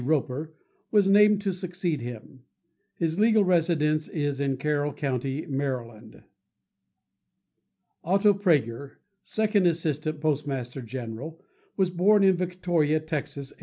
Roper, was named to succeed him. His legal residence is in Carroll Co., Md. Otto Praeger, Second Assistant Postmaster General, was born in Victoria, Tex., 1871.